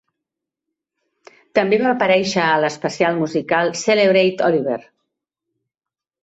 També va aparèixer a l'especial musical Celebrate Oliver!